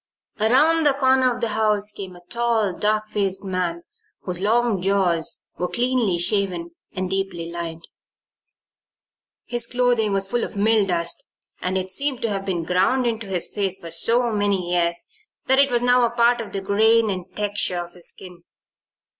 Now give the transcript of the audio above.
Around the corner of the house came a tall, dark faced man whose long jaws were cleanly shaven and deeply lined. His clothing was full of milldust and it seemed to have been ground into his face for so many years that it was now a part of the grain and texture of his skin.